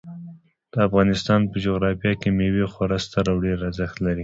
د افغانستان په جغرافیه کې مېوې خورا ستر او ډېر اهمیت لري.